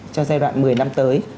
cho giai đoạn một mươi năm tới